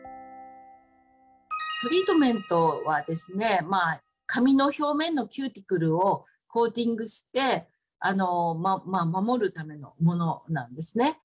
トリートメントはですねまあ髪の表面のキューティクルをコーティングして守るためのものなんですね。